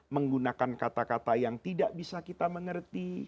menggunakan kata kata yang tidak bisa kita mengerti